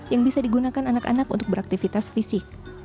yang bisa digunakan anak anak untuk beraktivitas fisik